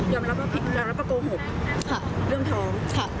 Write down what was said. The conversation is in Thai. จำนับว่ากล่าวหกเพี้ยวถอง